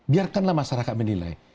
biarkanlah masyarakat menilai